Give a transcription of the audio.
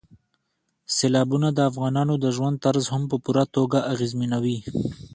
سیلابونه د افغانانو د ژوند طرز هم په پوره توګه اغېزمنوي.